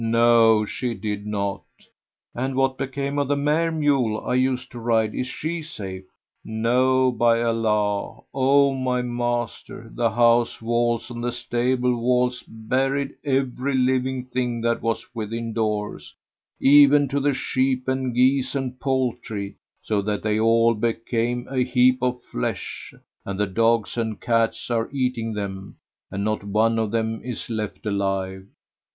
"No, she did not!" "And what became of the mare mule I use to ride, is she safe?" "No, by Allah, O my master, the house walls and the stable walls buried every living thing that was within doors, even to the sheep and geese and poultry, so that they all became a heap of flesh and the dogs and cats are eating them; and not one of them is left alive."